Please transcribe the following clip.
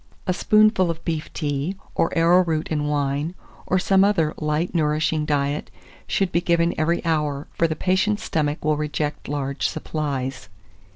A spoonful of beef tea, or arrowroot and wine, or some other light nourishing diet, should be given every hour, for the patient's stomach will reject large supplies.